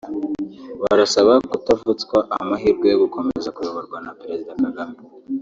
barasaba kutavutswa amahirwe yo gukomeza kuyoborwa na Perezida Kagame